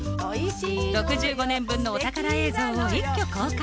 ６５年分のお宝映像を一挙公開。